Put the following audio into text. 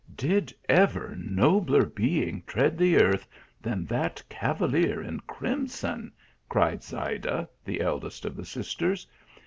" Did ever nobler being tread the earth, than that cavalier in crimson?" cried Zayda, the eldest of the sisters.